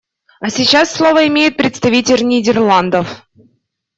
А сейчас слово имеет представитель Нидерландов.